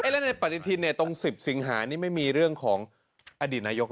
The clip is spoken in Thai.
แล้วในปฏิทินตรง๑๐สิงหานี่ไม่มีเรื่องของอดีตนายก